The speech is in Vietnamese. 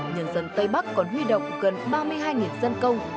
nhân dân tây bắc còn huy động gần ba mươi hai dân công